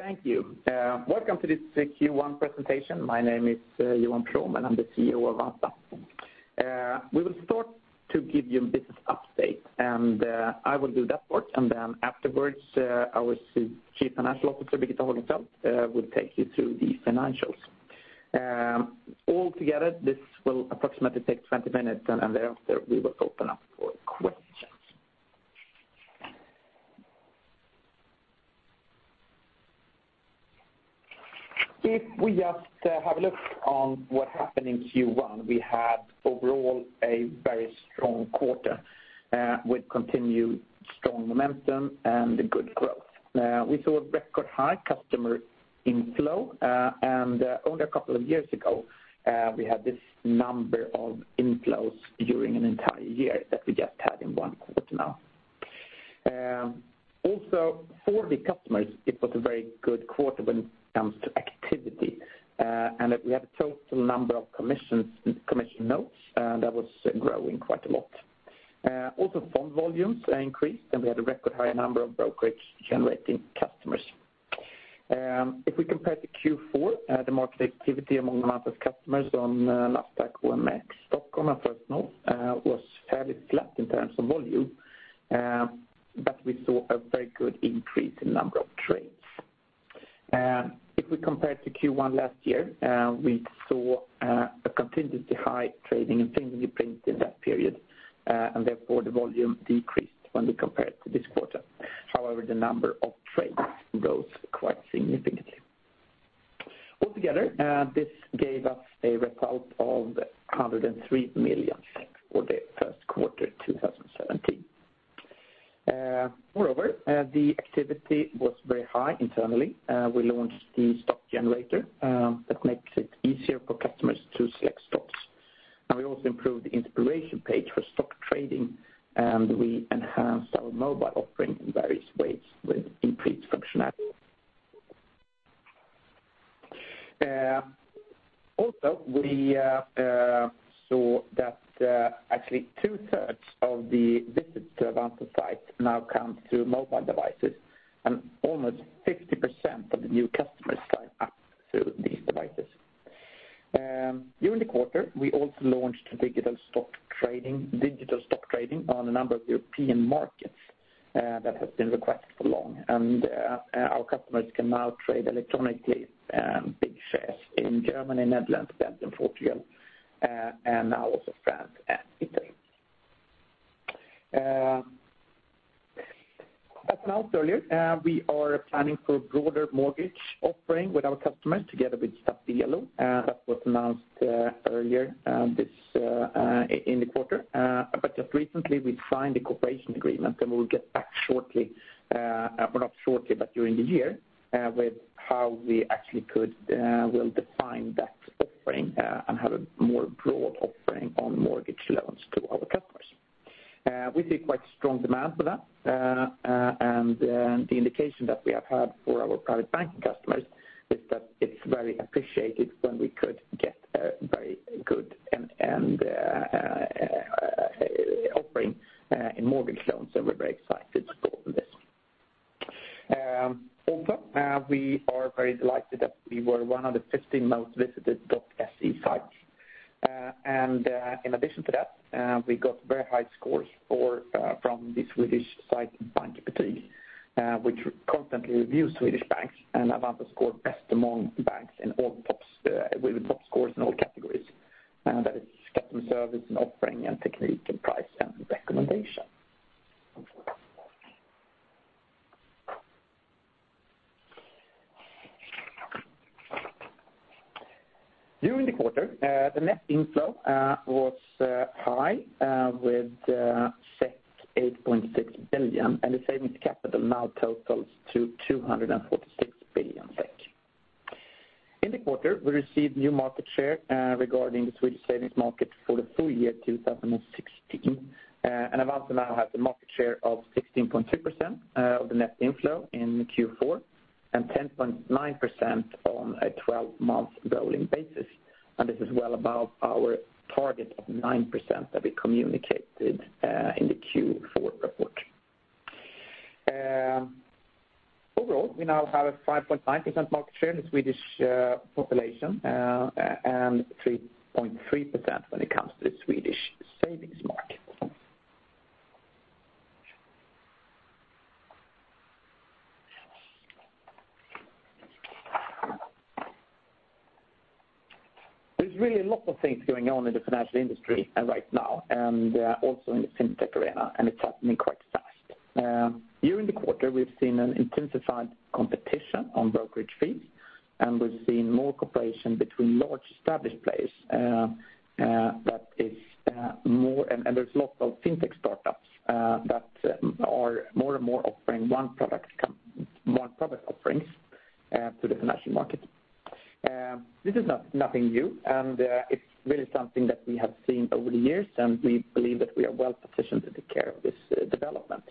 Thank you. Welcome to this Q1 presentation. My name is Johan Prom, I am the CEO of Avanza. We will start to give you a business update, I will do that part. Afterwards, our Chief Financial Officer, Birgitta Hagenfeldt, will take you through the financials. Altogether, this will approximately take 20 minutes, thereafter we will open up for questions. If we just have a look on what happened in Q1, we had overall a very strong quarter with continued strong momentum and good growth. We saw a record high customer inflow, only a couple of years ago we had this number of inflows during an entire year that we just had in one quarter now. For the customers, it was a very good quarter when it comes to activity, that we had a total number of commission notes that was growing quite a lot. Bond volumes increased, we had a record high number of brokerage-generating customers. If we compare to Q4, the market activity among Avanza customers on Nasdaq, OMX, Stockholm, and First North was fairly flat in terms of volume, but we saw a very good increase in number of trades. If we compare to Q1 last year, we saw a continuously high trading and continuously print in that period. Therefore, the volume decreased when we compare it to this quarter. However, the number of trades rose quite significantly. Altogether, this gave us a result of 103 million for the first quarter 2017. Moreover, the activity was very high internally. We launched the Aktiegeneratorn that makes it easier for customers to select stocks. We also improved the inspiration page for stock trading, we enhanced our mobile offering in various ways with increased functionality. We saw that actually two-thirds of the visits to Avanza site now come through mobile devices, almost 50% of the new customers sign up through these devices. During the quarter, we also launched digital stock trading on a number of European markets that have been requested for long, our customers can now trade electronically big shares in Germany, Netherlands, Belgium, Portugal, France, and Italy. As announced earlier, we are planning for a broader mortgage offering with our customers together with Stabelo. That was announced earlier in the quarter. Just recently we signed a cooperation agreement, we will get back during the year with how we actually will define that offering and have a more broad offering on mortgage loans to our customers. We see quite strong demand for that, the indication that we have had for our private banking customers is that it is very appreciated when we could get a very good offering in mortgage loans. We are very excited for this. We are very delighted that we were one of the 50 most visited .se sites. In addition to that, we got very high scores from the Swedish site [unsure], which constantly reviews Swedish banks, Avanza scored best among banks with top scores in all categories. That is customer service and offering and technique and price and recommendation. During the quarter, the net inflow was high with 8.6 billion, and the savings capital now totals to 246 billion SEK. In the quarter, we received new market share regarding the Swedish savings market for the full year 2016. Avanza now has a market share of 16.2% of the net inflow in Q4 and 10.9% on a 12-month rolling basis. This is well above our target of 9% that we communicated in the Q4 report. Overall, we now have a 5.9% market share in the Swedish population and 3.3% when it comes to the Swedish savings market. There's really a lot of things going on in the financial industry right now, and also in the FinTech arena, and it's happening quite fast. During the quarter, we've seen an intensified competition on brokerage fees, and we've seen more cooperation between large established players. There's lots of FinTech startups that are more and more offering one-product offerings to the financial market. This is nothing new, and it's really something that we have seen over the years, and we believe that we are well positioned to take care of this development.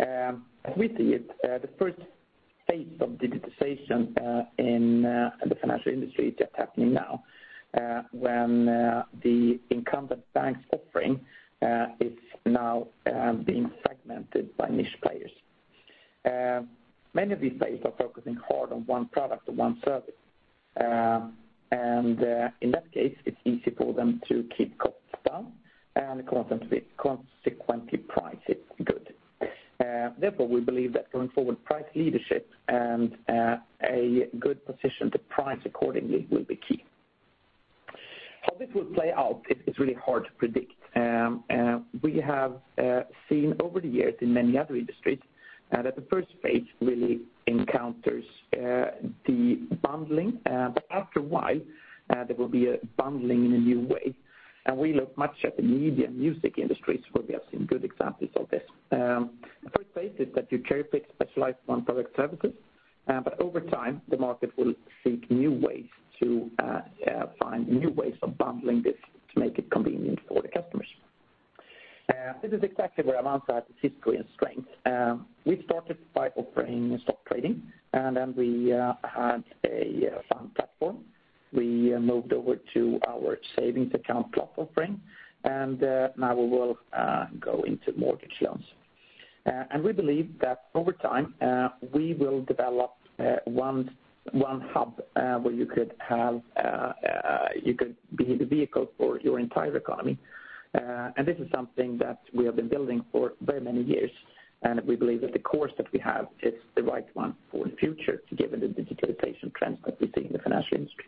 As we see it, the first phase of digitization in the financial industry just happening now when the incumbent banks' offering is now being fragmented by niche players. Many of these banks are focusing hard on one product or one service. In that case, it's easy for them to keep costs down and consequently price it good. Therefore, we believe that going forward, price leadership and a good position to price accordingly will be key. How this will play out is really hard to predict. We have seen over the years in many other industries that the first phase really encounters the bundling. After a while, there will be a bundling in a new way, and we look much at the media and music industries where we have seen good examples of this. The first phase is that you carefully specialize one product services, but over time, the market will seek new ways of bundling this to make it convenient for the customers. This is exactly where Avanza has a history and strength. We started by offering stock trading, and then we had a fund platform. We moved over to our Sparkonto Plus offering, and now we will go into mortgage loans. We believe that over time we will develop one hub where you could be the vehicle for your entire economy. This is something that we have been building for very many years, and we believe that the course that we have is the right one for the future, given the digitalization trends that we see in the financial industry.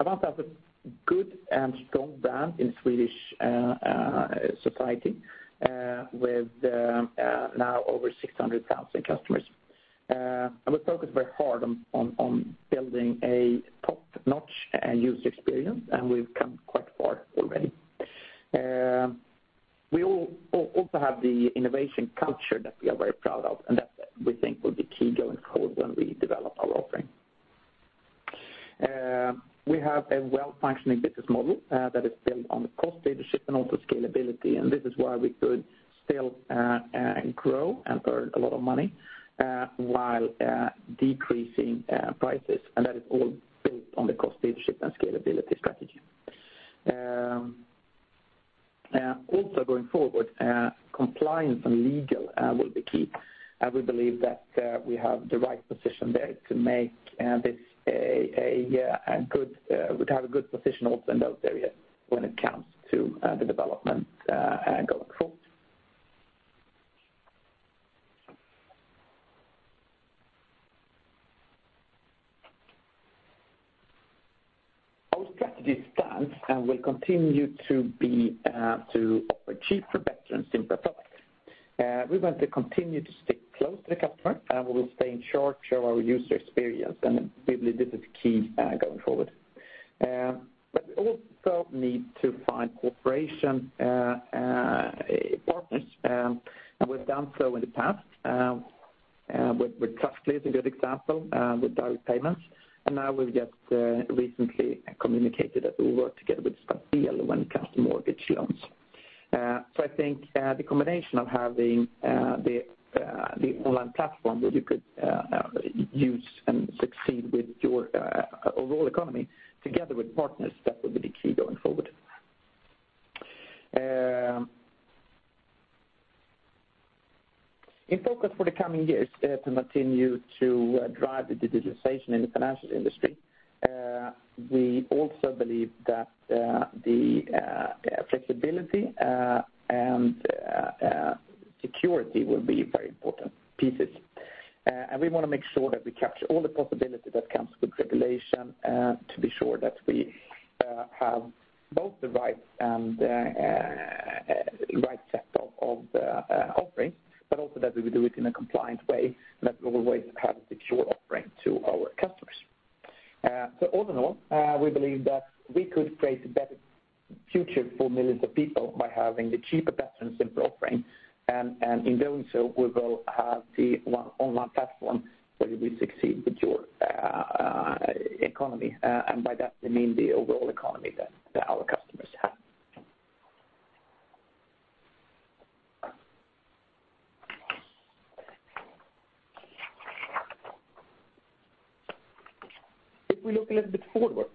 Avanza has a good and strong brand in Swedish society with now over 600,000 customers. We focus very hard on building a top-notch user experience, and we've come quite far already. We also have the innovation culture that we are very proud of and that we think will be key going forward when we develop our offering. We have a well-functioning business model that is built on the cost leadership and also scalability, and this is why we could still grow and earn a lot of money while decreasing prices. That is all built on the cost leadership and scalability strategy. Also going forward, compliance and legal will be key. We believe that we have the right position there to have a good position also in those areas when it comes to the development going forward. Our strategy stands and will continue to offer cheaper, better, and simpler products. We want to continue to stick close to the customer, and we will stay in charge of our user experience, and we believe this is key going forward. But we also need to find cooperation partners, and we've done so in the past with Trustly is a good example with direct payments, and now we've just recently communicated that we work together with Stabelo when it comes to mortgage loans. I think the combination of having the online platform where you could use and succeed with your overall economy together with partners, that will be the key going forward. In focus for the coming years is to continue to drive the digitalization in the financial industry. We also believe that the flexibility and security will be very important pieces. We want to make sure that we capture all the possibilities that comes with regulation to be sure that we have both the right set of offerings, but also that we do it in a compliant way that will always have a secure offering to our customers. All in all, we believe that we could create a better future for millions of people by having the cheaper, better, and simpler offering. In doing so, we will have the one online platform where we succeed with your economy. By that, we mean the overall economy that our customers have. If we look a little bit forward,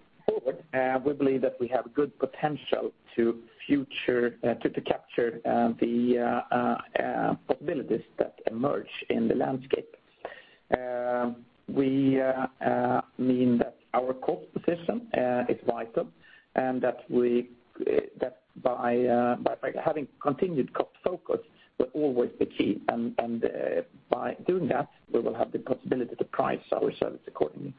we believe that we have good potential to capture the possibilities that emerge in the landscape. We mean that our cost position is vital and that by having continued cost focus will always be key, and by doing that, we will have the possibility to price our service accordingly.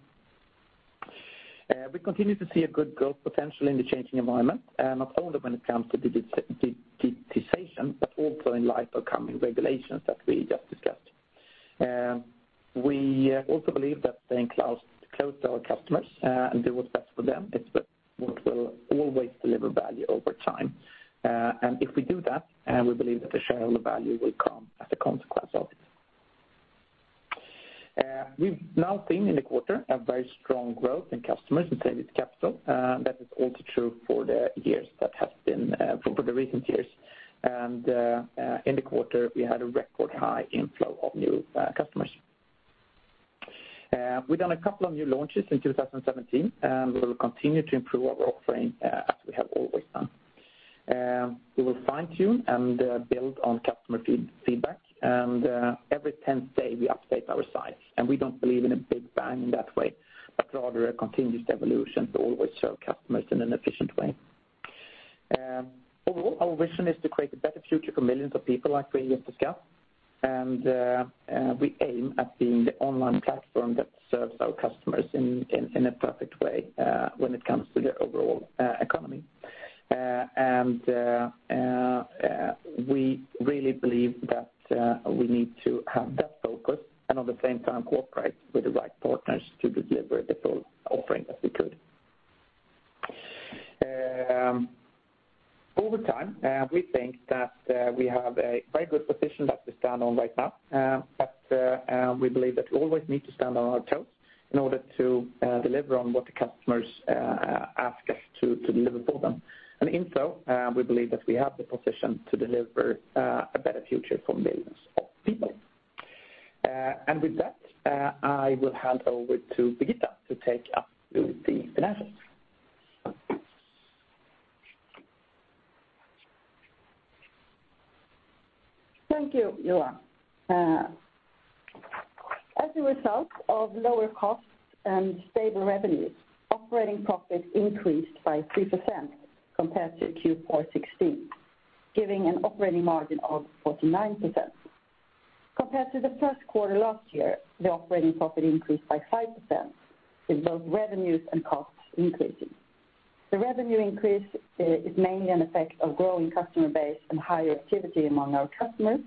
We continue to see a good growth potential in the changing environment, not only when it comes to digitalization, but also in light of coming regulations that we just discussed. We also believe that staying close to our customers and do what's best for them is what will always deliver value over time. If we do that, we believe that the shareholder value will come as a consequence of it. We've now seen in the quarter a very strong growth in customers and paid-in capital. That is also true for the recent years. In the quarter we had a record high inflow of new customers We've done a couple of new launches in 2017, and we will continue to improve our offering as we have always done. We will fine-tune and build on customer feedback, and every 10th day we update our site, and we don't believe in a big bang in that way, but rather a continuous evolution to always serve customers in an efficient way. Overall, our vision is to create a better future for millions of people like we have discussed. We aim at being the online platform that serves our customers in a perfect way when it comes to their overall economy. We really believe that we need to have that focus and at the same time cooperate with the right partners to deliver the full offering that we could. Over time, we think that we have a very good position that we stand on right now. We believe that we always need to stand on our toes in order to deliver on what the customers ask us to deliver for them. In so, we believe that we have the position to deliver a better future for millions of people. With that, I will hand over to Birgitta Hagenfeldt to take up with the financials. Thank you, Johan. As a result of lower costs and stable revenues, operating profits increased by 3% compared to Q4 2016, giving an operating margin of 49%. Compared to the first quarter last year, the operating profit increased by 5%, with both revenues and costs increasing. The revenue increase is mainly an effect of growing customer base and higher activity among our customers.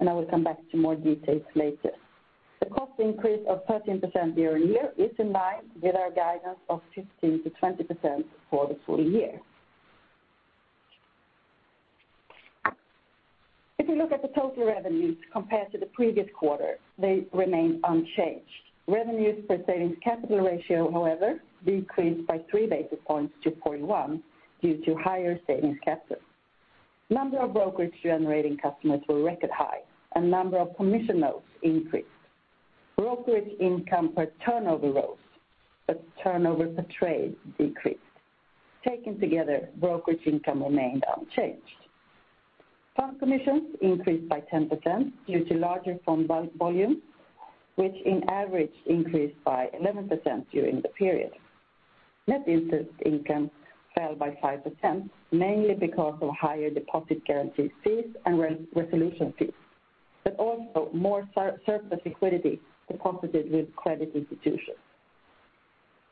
I will come back to more details later. The cost increase of 13% year-on-year is in line with our guidance of 15%-20% for the full year. If you look at the total revenues compared to the previous quarter, they remain unchanged. Revenues per savings capital ratio, however, decreased by three basis points to 41 due to higher savings capital. Number of brokerage-generating customers were record high and number of commission notes increased. Brokerage income per turnover rose, but turnover per trade decreased. Taken together, brokerage income remained unchanged. Fund commissions increased by 10% due to larger fund volume, which on average increased by 11% during the period. Net interest income fell by 5%, mainly because of higher deposit guarantee fees and resolution fees, but also more surplus liquidity deposited with credit institutions.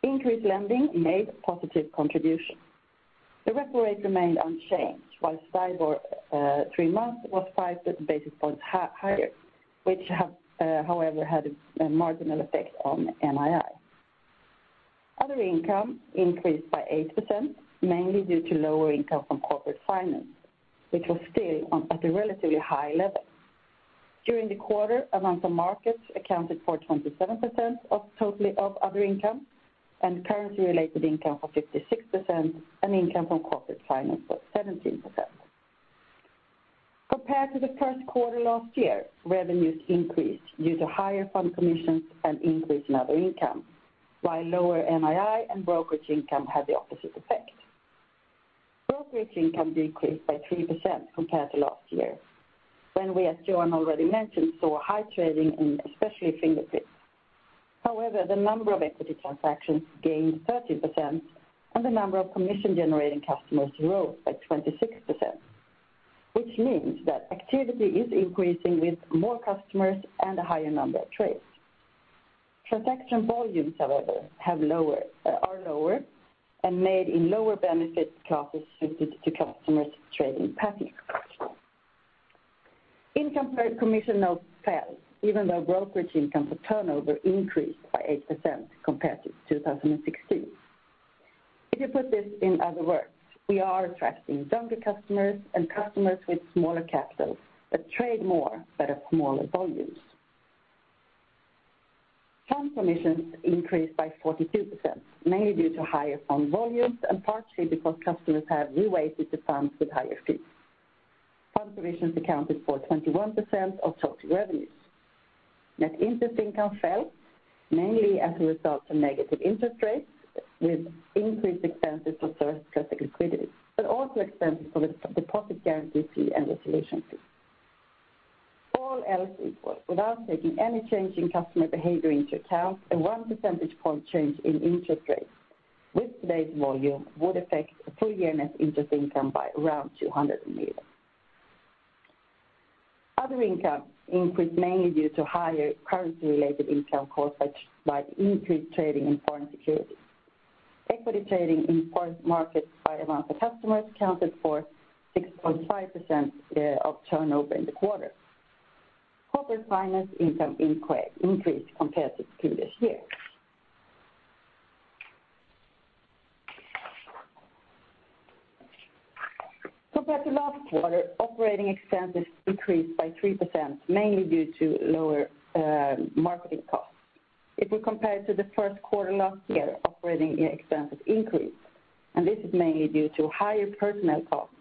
Increased lending made a positive contribution. The reference rate remained unchanged while STIBOR three months was five basis points higher, which however, had a marginal effect on NII. Other income increased by 8%, mainly due to lower income from corporate finance, which was still at a relatively high level. During the quarter, Avanza Markets accounted for 27% of total other income and currency-related income for 56%, and income from corporate finance was 17%. Compared to the first quarter last year, revenues increased due to higher fund commissions and increase in other income, while lower NII and brokerage income had the opposite effect. Brokerage income decreased by 3% compared to last year when we, as Johan already mentioned, saw high trading and especially Fingerprint Cards. However, the number of equity transactions gained 30% and the number of commission-generating customers rose by 26%, which means that activity is increasing with more customers and a higher number of trades. Transaction volumes, however, are lower and made in lower brokerage classes suited to customers' trading patterns. Income per commission note fell even though brokerage income for turnover increased by 8% compared to 2016. If you put this in other words, we are attracting younger customers and customers with smaller capital that trade more but at smaller volumes. Fund commissions increased by 42%, mainly due to higher fund volumes and partly because customers have reweighted the funds with higher fees. Fund commissions accounted for 21% of total revenues. Net interest income fell mainly as a result of negative interest rates with increased expenses for surplus liquidity, but also expenses for the deposit guarantee fee and resolution fee. All else equal, without taking any change in customer behavior into account, a one percentage point change in interest rates with today's volume would affect the full year net interest income by around 200 million. Other income increased mainly due to higher currency-related income caused by increased trading in foreign securities. Equity trading in foreign markets by Avanza customers accounted for 6.5% of turnover in the quarter. Corporate finance income increased compared to previous year. Compared to last quarter, operating expenses decreased by 3%, mainly due to lower marketing costs. We compare to the first quarter last year, operating expenses increased. This is mainly due to higher personnel costs,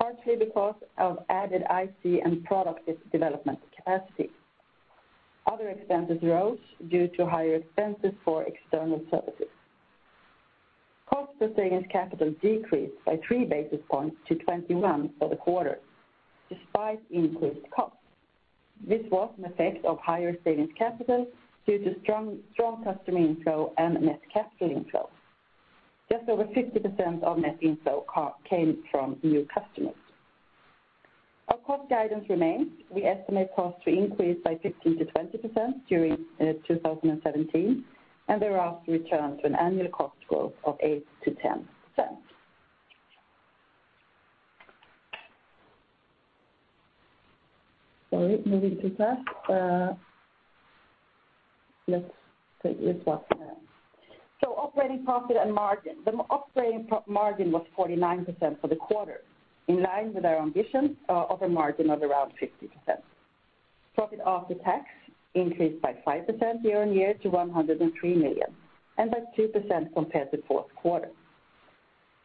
partly because of added IT and product development capacity. Other expenses rose due to higher expenses for external services. Cost to savings capital decreased by three basis points to 21 for the quarter, despite increased costs. This was an effect of higher savings capital due to strong customer inflow and net capital inflow. Just over 50% of net inflow came from new customers. Our cost guidance remains. We estimate costs to increase by 15%-20% during 2017, and thereafter return to an annual cost growth of 8%-10%. Sorry, moving too fast. Let's take it back. Operating profit and margin. The operating margin was 49% for the quarter, in line with our ambition of a margin of around 50%. Profit after tax increased by 5% year-on-year to 103 million. That's 2% compared to fourth quarter.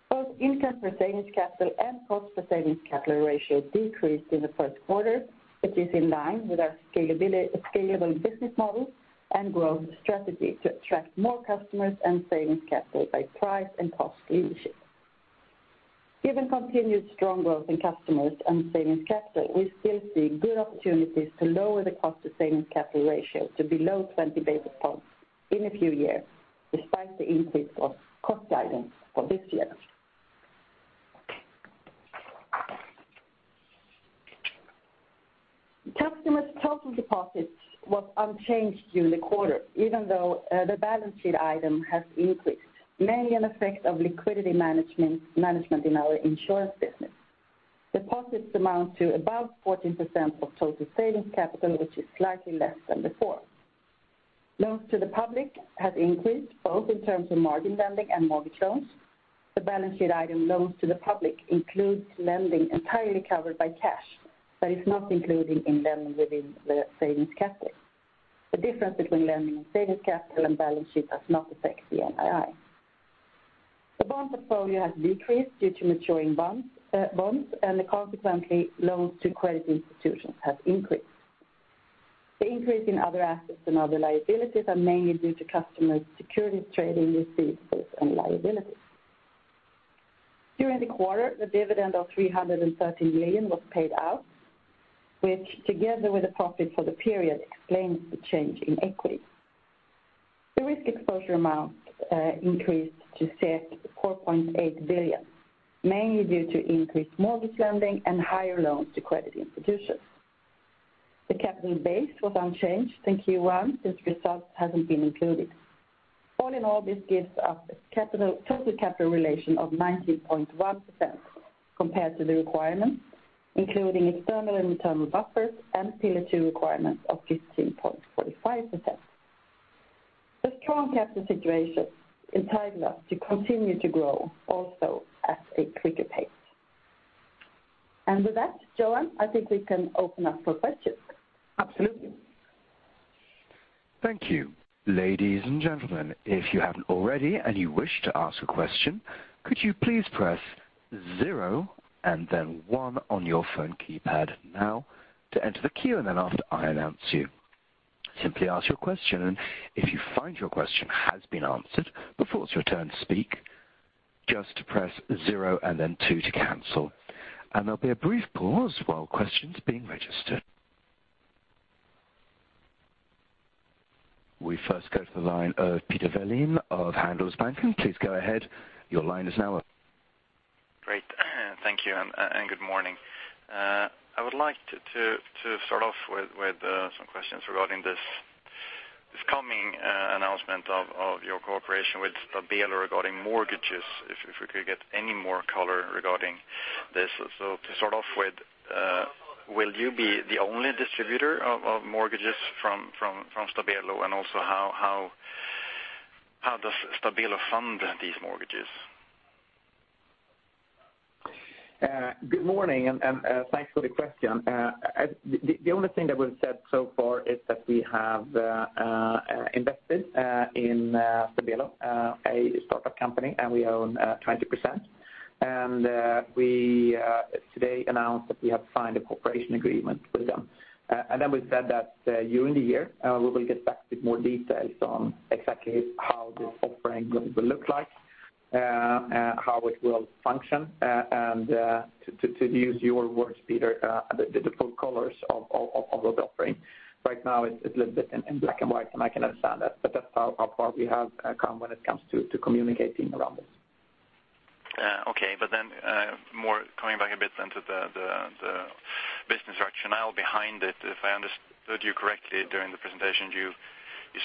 Both income for savings capital and cost for savings capital ratio decreased in the first quarter, which is in line with our scalable business model and growth strategy to attract more customers and savings capital by price and cost leadership. Given continued strong growth in customers and savings capital, we still see good opportunities to lower the cost to savings capital ratio to below 20 basis points in a few years, despite the increase of cost guidance for this year. Customer's total deposits was unchanged during the quarter, even though the balance sheet item has increased, mainly an effect of liquidity management in our insurance business. Deposits amount to about 14% of total savings capital, which is slightly less than before. Loans to the public have increased both in terms of margin lending and mortgage loans. The balance sheet item loans to the public includes lending entirely covered by cash that is not included in lending within the savings capital. The difference between lending and savings capital and balance sheet does not affect the NII. Consequently, the bond portfolio has decreased due to maturing bonds, and loans to credit institutions have increased. The increase in other assets and other liabilities are mainly due to customer securities trading receipts and liabilities. During the quarter, the dividend of 330 million was paid out, which together with the profit for the period explains the change in equity. The risk exposure amount increased to 4.8 billion, mainly due to increased mortgage lending and higher loans to credit institutions. The capital base was unchanged in Q1 since results hasn't been included. All in all, this gives us a total capital relation of 90.1% compared to the requirements, including external and internal buffers and Pillar 2 requirements of 15.45%. The strong capital situation entitles us to continue to grow also at a quicker pace. With that, Johan, I think we can open up for questions. Absolutely. Thank you. Ladies and gentlemen, if you haven't already and you wish to ask a question, could you please press zero and then one on your phone keypad now to enter the queue? Then after I announce you, simply ask your question. If you find your question has been answered before it's your turn to speak, just press zero and then two to cancel. There'll be a brief pause while question's being registered. We first go to the line of Peter Wallin of Handelsbanken. Please go ahead. Your line is now open. Great. Thank you, and good morning. I would like to start off with some questions regarding this coming announcement of your cooperation with Stabelo regarding mortgages, if we could get any more color regarding this. To start off with, will you be the only distributor of mortgages from Stabelo, and also how does Stabelo fund these mortgages? Good morning, and thanks for the question. The only thing that we've said so far is that we have invested in Stabelo, a startup company, and we own 20%. We today announced that we have signed a cooperation agreement with them. Then we've said that during the year, we will get back with more details on exactly how this offering will look like, how it will function, and to use your words, Peter, the different colors of the offering. Right now it's a little bit in black and white, and I can understand that, but that's how far we have come when it comes to communicating around this. Coming back a bit to the business rationale behind it, if I understood you correctly during the presentation, you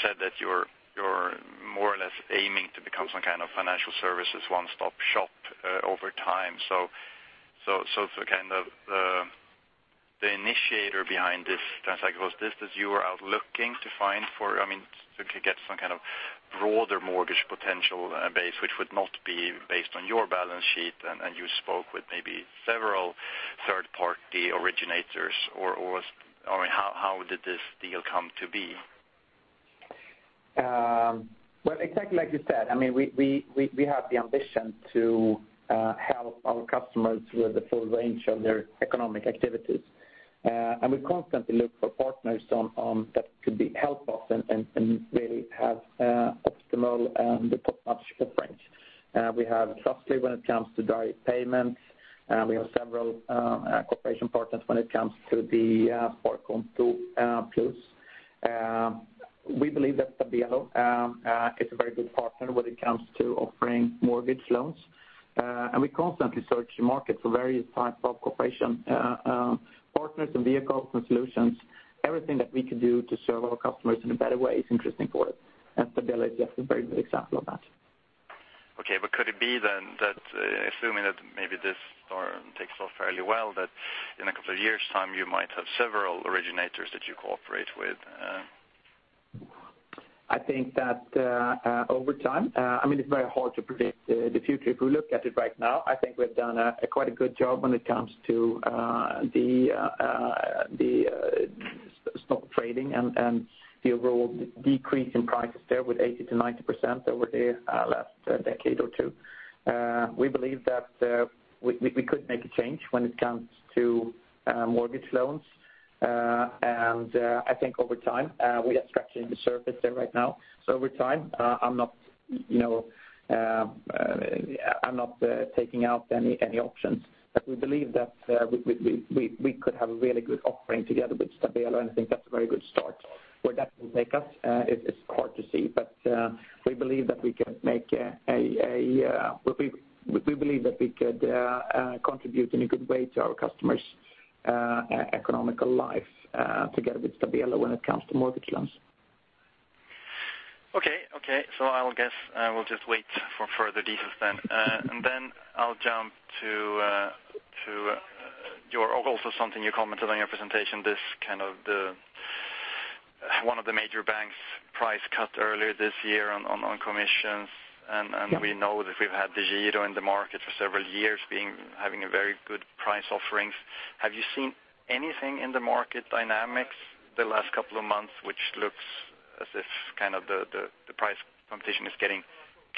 said that you're more or less aiming to become some kind of financial services one-stop shop over time. The initiator behind this transaction, was this that you were out looking to find to get some kind of broader mortgage potential base, which would not be based on your balance sheet, and you spoke with maybe several third-party originators? How did this deal come to be? Exactly like you said, we have the ambition to help our customers with the full range of their economic activities. We constantly look for partners that could be helpful and really have optimal and top-notch footprint. We have Trustly when it comes to direct payments. We have several cooperation partners when it comes to the Sparkonto Plus. We believe that Stabelo is a very good partner when it comes to offering mortgage loans. We constantly search the market for various types of cooperation partners and vehicles and solutions. Everything that we could do to serve our customers in a better way is interesting for us, and Stabelo is just a very good example of that. Could it be then that assuming that maybe this takes off fairly well, that in a couple of years' time, you might have several originators that you cooperate with? I think that over time, it's very hard to predict the future. If we look at it right now, I think we've done quite a good job when it comes to the stock trading and the overall decrease in prices there with 80%-90% over the last decade or 2. We believe that we could make a change when it comes to mortgage loans. I think over time, we are scratching the surface there right now. Over time, I'm not taking out any options, but we believe that we could have a really good offering together with Stabelo, and I think that's a very good start. Where that will take us is hard to see. We believe that we could contribute in a good way to our customers' economical life together with Stabelo when it comes to mortgage loans. Okay. I guess we'll just wait for further details then. I'll jump to also something you commented on your presentation, one of the major banks price cut earlier this year on commissions. We know that we've had Nordnet in the market for several years having a very good price offerings. Have you seen anything in the market dynamics the last couple of months, which looks as if the price competition is getting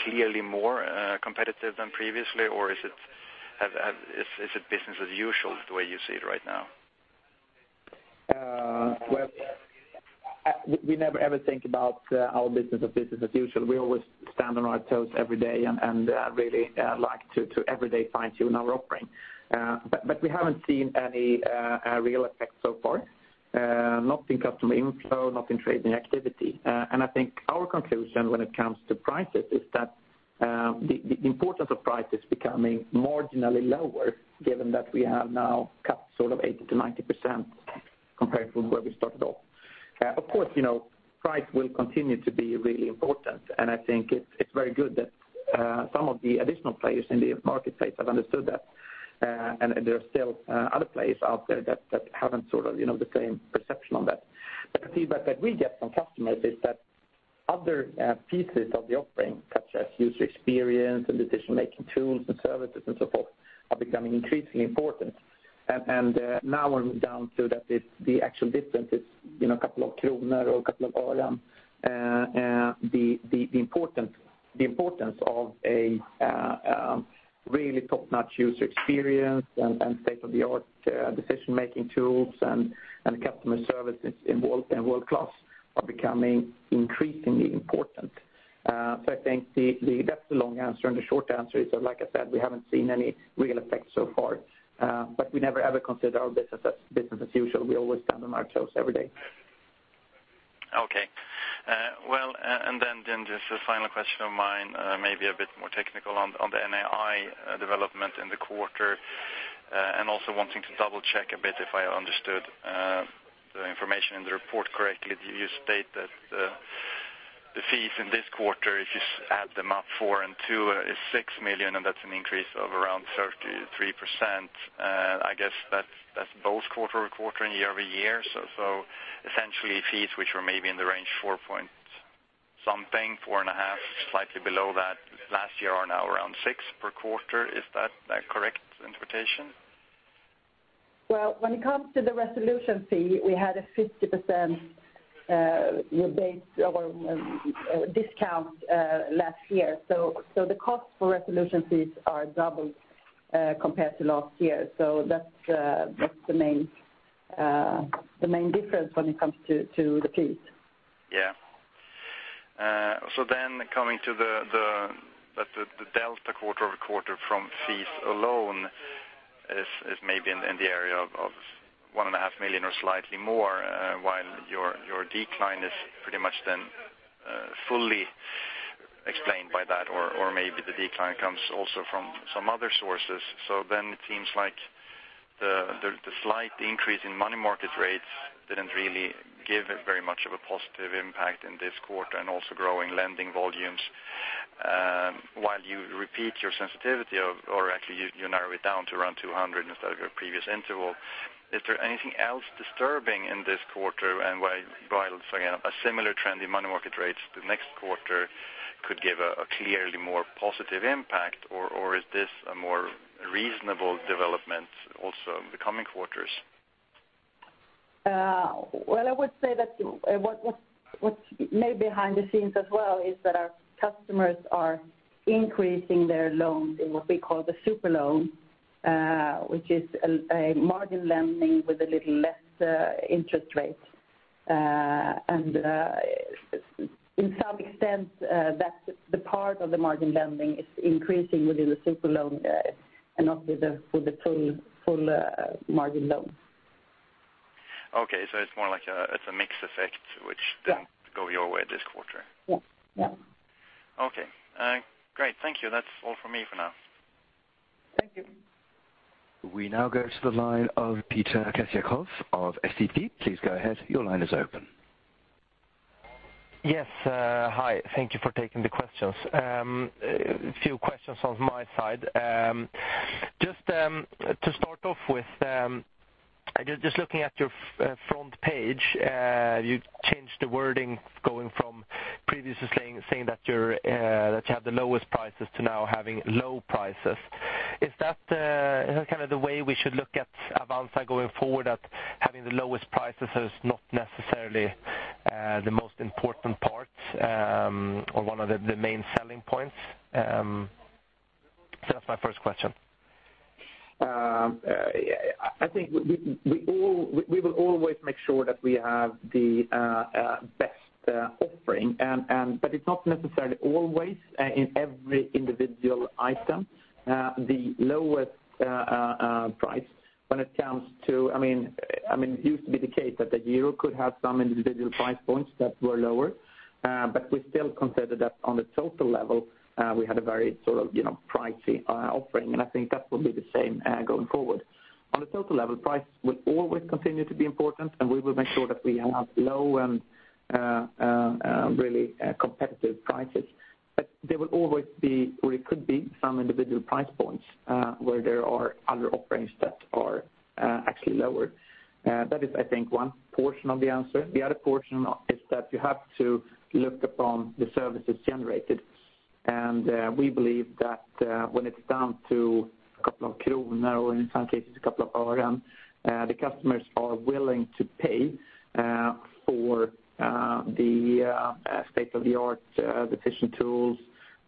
clearly more competitive than previously? Or is it business as usual the way you see it right now? We never, ever think about our business as business as usual. We always stand on our toes every day and really like to everyday fine-tune our offering. We haven't seen any real effect so far, not in customer inflow, not in trading activity. I think our conclusion when it comes to prices is that the importance of price is becoming marginally lower given that we have now cut 80%-90% compared from where we started off. Of course, price will continue to be really important, and I think it's very good that some of the additional players in the marketplace have understood that. There are still other players out there that haven't the same perception on that. The feedback that we get from customers is that other pieces of the offering, such as user experience and decision-making tools and services and so forth, are becoming increasingly important. Now we're down to that the actual difference is a couple of krona or a couple of öre. The importance of a really top-notch user experience and state-of-the-art decision-making tools and customer services in world-class are becoming increasingly important. I think that's the long answer, and the short answer is that, like I said, we haven't seen any real effects so far. We never, ever consider our business as business as usual. We always stand on our toes every day. Okay. Just a final question of mine maybe a bit more technical on the NII development in the quarter. Also wanting to double-check a bit if I understood the information in the report correctly. You state that the fees in this quarter, if you add them up four and two is 6 million, and that's an increase of around 33%. I guess that's both quarter-over-quarter and year-over-year. Essentially fees which were maybe in the range four-point something, four and a half, slightly below that last year are now around 6 per quarter. Is that a correct interpretation? When it comes to the resolution fee, we had a 50% rebate or discount last year. The cost for resolution fees are doubled compared to last year. That's the main difference when it comes to the fees. Coming to the delta quarter-over-quarter from fees alone is maybe in the area of one and a half million or slightly more, while your decline is pretty much then fully explained by that or maybe the decline comes also from some other sources. It seems like the slight increase in money market rates didn't really give very much of a positive impact in this quarter and also growing lending volumes. While you repeat your sensitivity of, or actually you narrow it down to around 200 instead of your previous interval. Is there anything else disturbing in this quarter? While saying a similar trend in money market rates the next quarter could give a clearly more positive impact, or is this a more reasonable development also in the coming quarters? I would say that what may behind the scenes as well is that our customers are increasing their loans in what we call the Super Loan, which is a margin lending with a little less interest rate. In some extent, the part of the margin lending is increasing within the Super Loan and not with the full margin loan. It's more like it's a mix effect. Yeah didn't go your way this quarter. Yeah. Okay. Great. Thank you. That's all from me for now. Thank you. We now go to the line of Peter Kesejov of SEB. Please go ahead. Your line is open. Yes. Hi. Thank you for taking the questions. A few questions on my side. You changed the wording going from previously saying that you have the lowest prices to now having low prices. Is that the way we should look at Avanza going forward, that having the lowest prices is not necessarily the most important part or one of the main selling points? That's my first question. I think we will always make sure that we have the best offering. It's not necessarily always in every individual item the lowest price when it comes to, it used to be the case that Nordnet could have some individual price points that were lower, but we still consider that on the total level we had a very pricey offering, and I think that will be the same going forward. On the total level, price will always continue to be important, and we will make sure that we have low and really competitive prices. There will always be, or it could be some individual price points where there are other offerings that are actually lower. That is, I think, one portion of the answer. The other portion is that you have to look upon the services generated. We believe that when it's down to a couple of SEK or in some cases a couple of EUR, the customers are willing to pay for the state-of-the-art decision tools,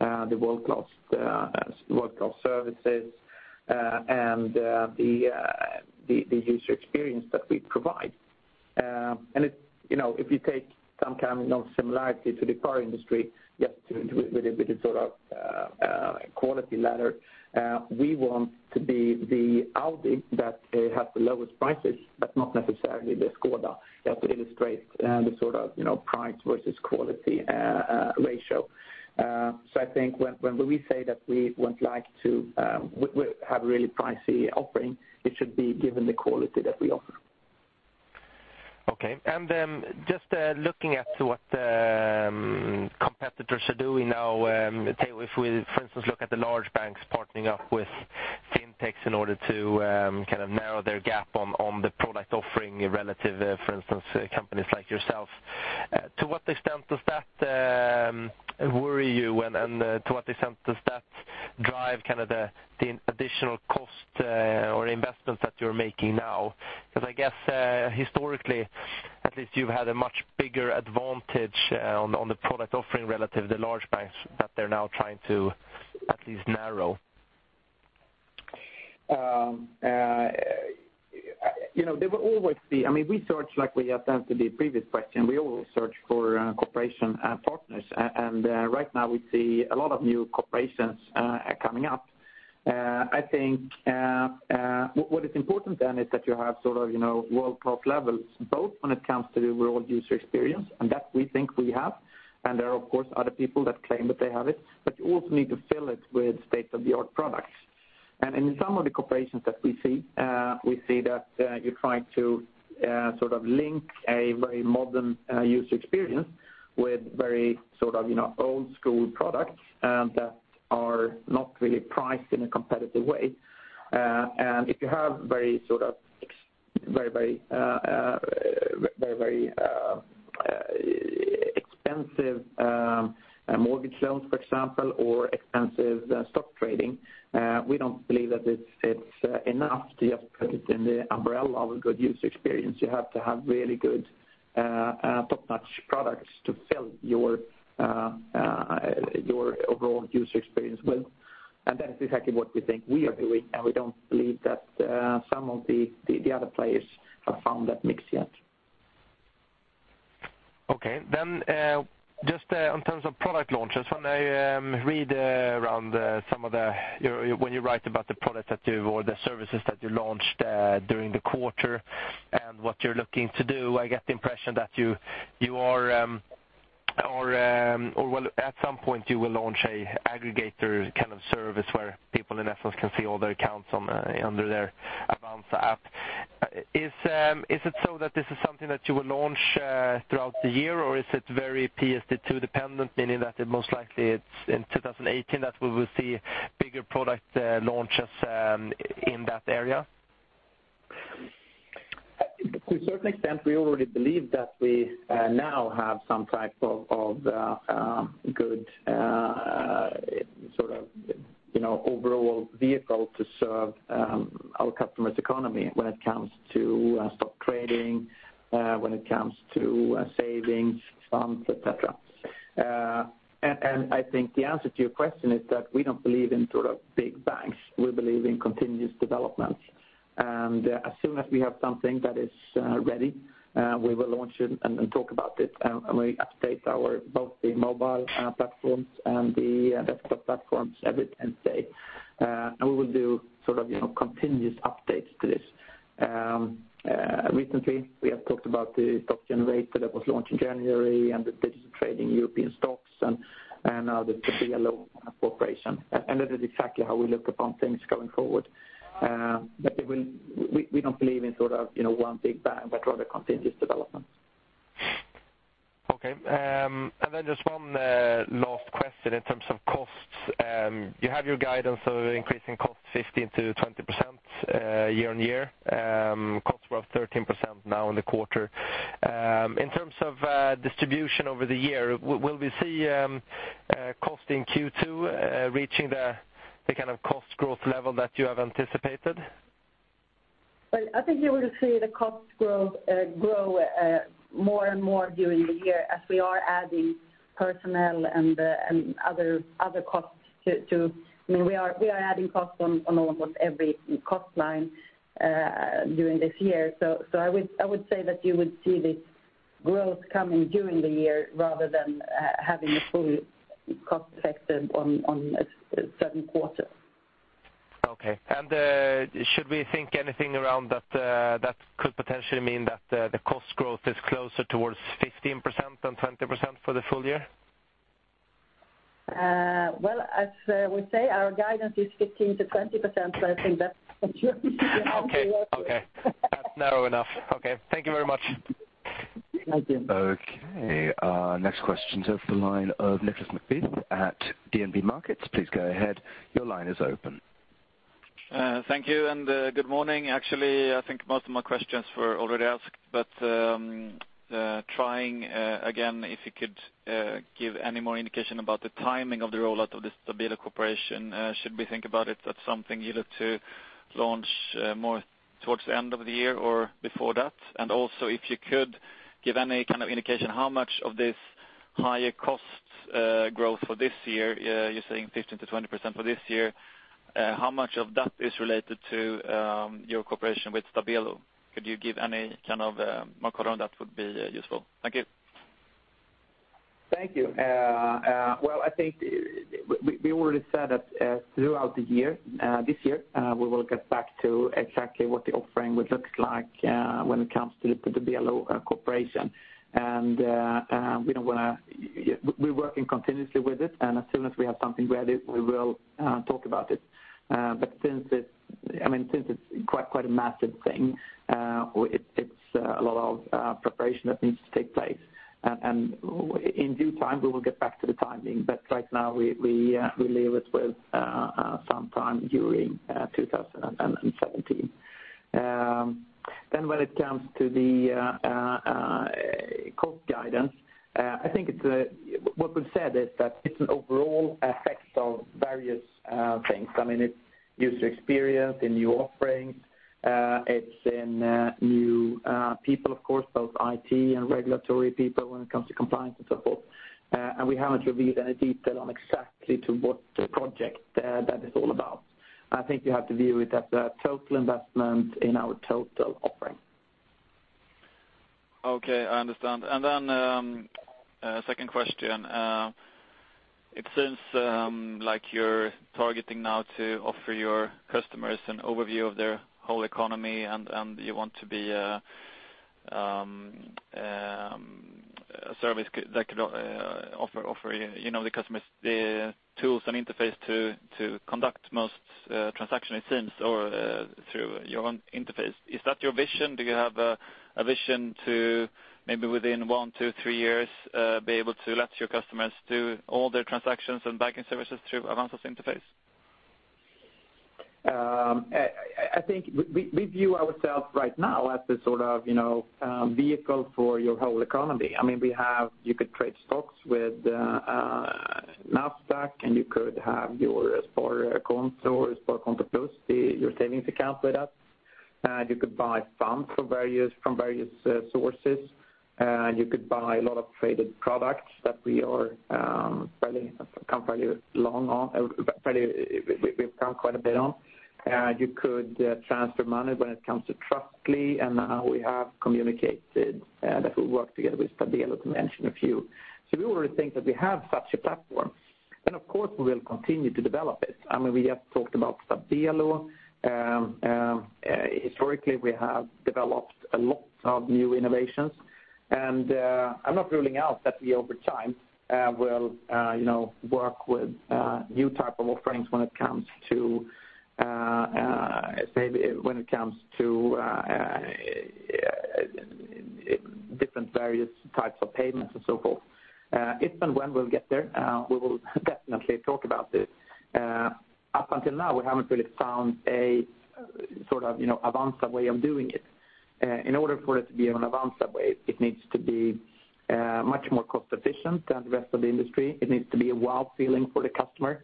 the world-class services, and the user experience that we provide. If you take some kind of similarity to the car industry, with the quality ladder, we want to be the Audi that have the lowest prices, but not necessarily the Škoda that illustrate the price versus quality ratio. I think when we say that we would like to have a really pricey offering, it should be given the quality that we offer. Okay. Just looking at what competitors are doing now, if we, for instance, look at the large banks partnering up with fintechs in order to narrow their gap on the product offering relative, for instance, companies like yourself. To what extent does that worry you? To what extent does that drive the additional cost or investments that you're making now? I guess historically, at least you've had a much bigger advantage on the product offering relative to the large banks that they're now trying to at least narrow. There will always be, we search like we attempted the previous question, we always search for cooperation partners. Right now we see a lot of new corporations coming up. I think what is important then is that you have world-class levels, both when it comes to the overall user experience, and that we think we have. There are of course other people that claim that they have it, but you also need to fill it with state-of-the-art products. In some of the corporations that we see, we see that you try to link a very modern user experience with very old school products that are not really priced in a competitive way. If you have very expensive mortgage loans, for example, or expensive stock trading we don't believe that it's enough to put it in the umbrella of a good user experience. You have to have really good top-notch products to fill your overall user experience well. That is exactly what we think we are doing, and we don't believe that some of the other players have found that mix yet. Okay. Just on terms of product launches, when I read around when you write about the products or the services that you launched during the quarter and what you're looking to do, I get the impression that at some point you will launch an aggregator kind of service where people in essence can see all their accounts under their Avanza app. Is it so that this is something that you will launch throughout the year, or is it very PSD2 dependent, meaning that it most likely it's in 2018 that we will see bigger product launches in that area? To a certain extent, we already believe that we now have some type of good overall vehicle to serve our customers' economy when it comes to stock trading, when it comes to savings, funds, et cetera. I think the answer to your question is that we don't believe in big banks. We believe in continuous development. As soon as we have something that is ready, we will launch it and talk about it, and we update both the mobile platforms and the desktop platforms every 10 days. We will do continuous updates to this. Recently, we have talked about the Aktiegeneratorn that was launched in January and the digital trading European stocks and now the Stabelo cooperation. That is exactly how we look upon things going forward. We don't believe in one big bang, but rather continuous development. Okay. Just one last question in terms of costs. You have your guidance of increasing costs 15%-20% year-on-year. Costs were up 13% now in the quarter. In terms of distribution over the year, will we see cost in Q2 reaching the kind of cost growth level that you have anticipated? Well, I think you will see the cost grow more and during the year as we are adding personnel and other costs. We are adding costs on almost every cost line during this year. I would say that you would see this growth coming during the year rather than having the full cost effective on a certain quarter. Okay. Should we think anything around that could potentially mean that the cost growth is closer towards 15% than 20% for the full year? Well, as we say, our guidance is 15%-20%, so I think that's what you should be working with. Okay. That's narrow enough. Okay. Thank you very much. Thank you. Okay. Our next question is for the line of Nicolas McBeath at DNB Markets. Please go ahead. Your line is open. Thank you, and good morning. Actually, I think most of my questions were already asked. Trying again, if you could give any more indication about the timing of the rollout of the Stabelo cooperation. Should we think about it that's something you look to launch more towards the end of the year or before that? Also if you could give any kind of indication how much of this higher cost growth for this year, you're saying 15%-20% for this year, how much of that is related to your cooperation with Stabelo? Could you give any kind of mark around that would be useful? Thank you. Thank you. Well, I think we already said that throughout the year, this year, we will get back to exactly what the offering would look like when it comes to the Stabelo cooperation. We're working continuously with it, and as soon as we have something ready, we will talk about it. Since it's quite a massive thing, it's a lot of preparation that needs to take place. In due time, we will get back to the timing. Right now we leave it with sometime during 2017. When it comes to the cost guidance, I think what we've said is that it's an overall effect of various things. It's user experience in new offerings. It's in new people, of course, both IT and regulatory people when it comes to compliance and so forth. We haven't revealed any detail on exactly to what project that is all about. I think you have to view it as a total investment in our total offering. Okay, I understand. Second question. It seems like you're targeting now to offer your customers an overview of their whole economy, and you want to be a service that could offer the customers the tools and interface to conduct most transactions, it seems, or through your own interface. Is that your vision? Do you have a vision to maybe within one to three years be able to let your customers do all their transactions and banking services through Avanza's interface? I think we view ourselves right now as the vehicle for your whole economy. You could trade stocks with Nasdaq, you could have your Sparkonto+, your savings account with us. You could buy funds from various sources. You could buy a lot of traded products that we've come quite a bit on. You could transfer money when it comes to Trustly, we have communicated that we work together with Stabelo, to mention a few. We already think that we have such a platform. Of course, we'll continue to develop it. We have talked about Stabelo. Historically, we have developed a lot of new innovations. I'm not ruling out that we, over time, will work with new type of offerings when it comes to different various types of payments and so forth. If and when we'll get there, we will definitely talk about it. Up until now, we haven't really found an Avanza way of doing it. In order for it to be an Avanza way, it needs to be much more cost-efficient than the rest of the industry. It needs to be a wow feeling for the customer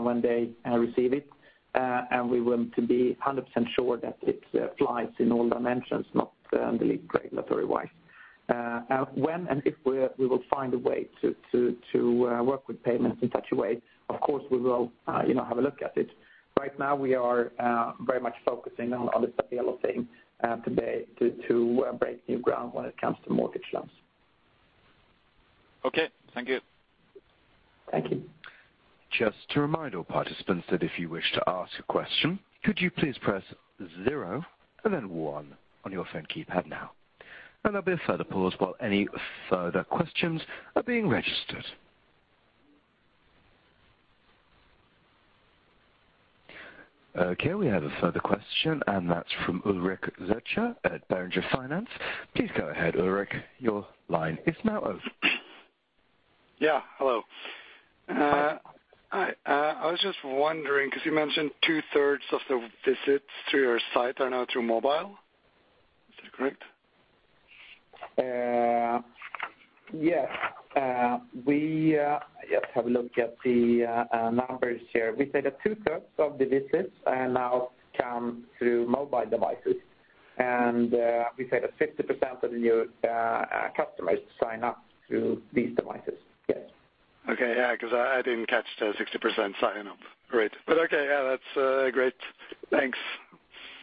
when they receive it, and we want to be 100% sure that it flies in all dimensions, not only regulatory-wise. When and if we will find a way to work with payments in such a way, of course, we will have a look at it. Right now, we are very much focusing on other things today to break new ground when it comes to mortgage loans. Okay, thank you. Thank you. Just to remind all participants that if you wish to ask a question, could you please press zero and then one on your phone keypad now. There'll be a further pause while any further questions are being registered. Okay, we have a further question, and that's from Ulrik Zürcher at Beringer Finance. Please go ahead, Ulrik. Your line is now open. Yeah, hello. Hi. Hi, I was just wondering, you mentioned two-thirds of the visits to your site are now through mobile. Is that correct? Yes. Let me have a look at the numbers here. We say that two-thirds of the visits now come through mobile devices. We say that 50% of the new customers sign up through these devices. Yes. Okay. Yeah, I didn't catch the 60% sign up. Great. Okay, yeah, that's great. Thanks.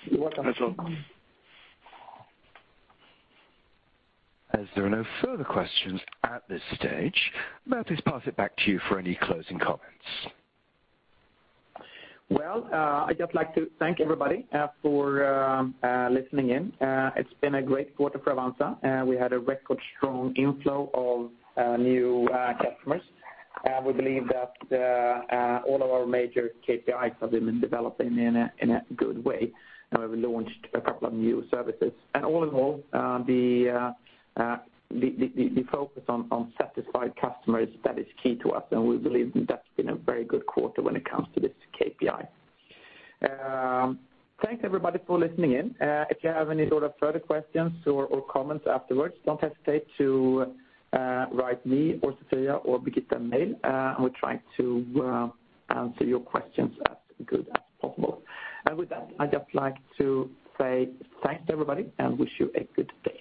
You're welcome. That's all. As there are no further questions at this stage, may I please pass it back to you for any closing comments. Well, I'd just like to thank everybody for listening in. It's been a great quarter for Avanza. We had a record strong inflow of new customers. We believe that all of our major KPIs have been developing in a good way. We launched a couple of new services. All in all, the focus on satisfied customers, that is key to us, and we believe that's been a very good quarter when it comes to this KPI. Thanks everybody for listening in. If you have any sort of further questions or comments afterward, don't hesitate to write me or Sofia or Birgitta an email, and we'll try to answer your questions as good as possible. With that, I'd just like to say thanks everybody, and wish you a good day.